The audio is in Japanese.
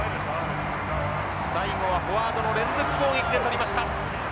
最後はフォワードの連続攻撃で取りました。